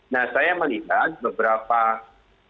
nah saya melihat beberapa hal